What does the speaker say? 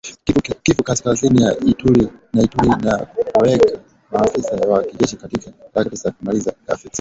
Kivu Kaskazini na Ituri na kuwaweka maafisa wa kijeshi katika harakati za kumaliza ghasia